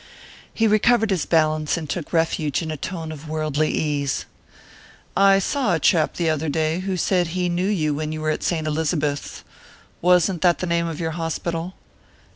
He recovered his balance and took refuge in a tone of worldly ease. "I saw a chap the other day who said he knew you when you were at Saint Elizabeth's wasn't that the name of your hospital?"